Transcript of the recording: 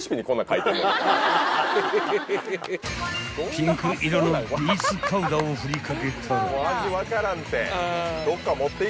［ピンク色のビーツパウダーを振り掛けたら］